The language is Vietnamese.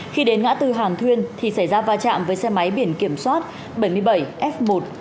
khi đến ngã tư hàn thuyên thì xảy ra va chạm với xe máy biển kiểm soát bảy mươi bảy f một ba mươi ba nghìn tám trăm sáu mươi chín